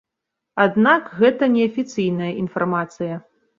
Аднак гэта неафіцыйная інфармацыя.